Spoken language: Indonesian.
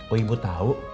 oh ibu tau